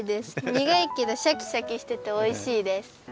にがいけどシャキシャキしてておいしいです。